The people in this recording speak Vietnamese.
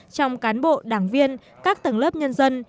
trong cán bộ đảng viên các tầng lớp nhân dân